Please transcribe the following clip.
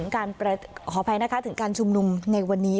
ขออภัยนะคะถึงการชุมนุมในวันนี้